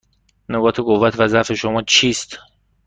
نقاط قوت و ضعف شما چیست؟